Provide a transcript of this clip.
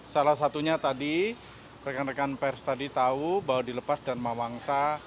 salah satunya tadi rekan rekan pers tadi tahu bahwa dilepas dharma wangsa